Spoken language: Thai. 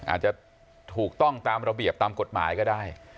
อาจจะถูกต้องตามระเบียบตามกฎหมายก็ได้